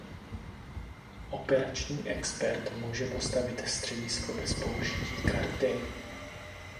Operační expert může postavit středisko bez použití karty.